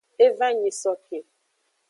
E va nyisoke.